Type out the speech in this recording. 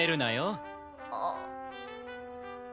ああ。